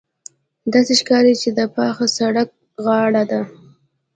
داسې ښکاري چې د پاخه سړک غاړې ته.